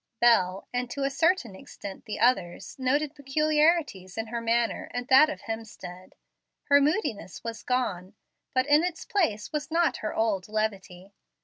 Bel, and to a certain extent the others, noted peculiarities in her manner and that of Hemstead. Her moodiness was gone, but in its place was not her old levity.